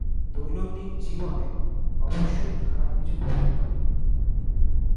দৈনন্দিন জীবনে অবশ্যই খারাপ কিছু ঘটতে পারে।